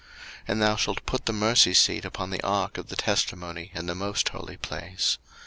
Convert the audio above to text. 02:026:034 And thou shalt put the mercy seat upon the ark of the testimony in the most holy place.